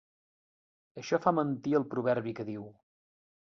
Això fa mentir el proverbi que diu...